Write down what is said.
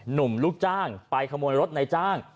ลูกจ้างไปขโมยรถในจ้าง